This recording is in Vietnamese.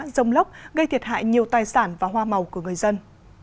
rông lốc gây thiệt hại nhiều tài sản và hoa màu của người dân